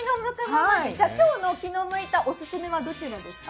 じゃあ、今日の気の向いたオススメはどちらですか？